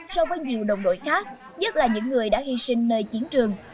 so với nhiều đồng đội khác nhất là những người đã hy sinh nơi chiến trường